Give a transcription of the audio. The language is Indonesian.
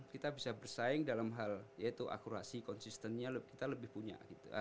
kita bisa bersaing dalam hal yaitu akurasi konsistennya kita lebih punya